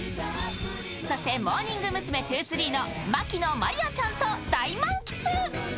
そしてモーニング娘’２３の牧野真莉愛ちゃんと大満喫。